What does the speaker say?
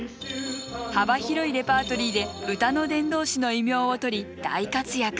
幅広いレパートリーで「歌の伝道師」の異名をとり大活躍。